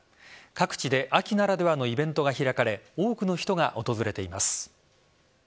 各地で秋ならではのイベントが開かれ多くの人が訪れています。